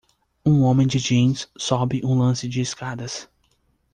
Um homem de jeans sobe um lance de escadas.